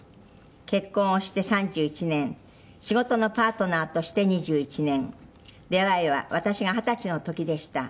「結婚をして３１年」「仕事のパートナーとして２１年」「出会いは私が二十歳の時でした」